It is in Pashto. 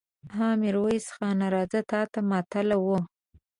ها! ميرويس خان! راځه، تاته ماتله وو.